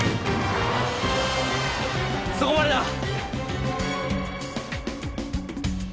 そこまでだ！